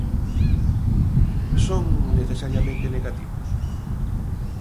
Son necesariamente negativos?